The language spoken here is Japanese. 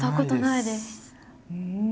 うん。